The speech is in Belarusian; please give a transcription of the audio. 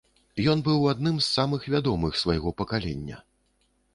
Ён быў адным з самых вядомых свайго пакалення.